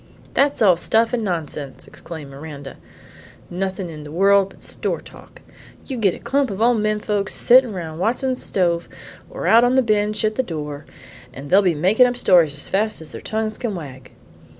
"That's all stuff and nonsense," exclaimed Miranda; "nothin' in the world but store talk. You git a clump o' men folks settin' round Watson's stove, or out on the bench at the door, an' they'll make up stories as fast as their tongues can wag.